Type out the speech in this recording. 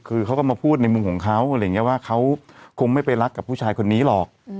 เขาก็มาพูดในมุมของเขาว่าเขาคงไม่ไปรักกับผู้ชายคนนี้หรอก